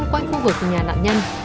quay khu vực nhà nạn nhân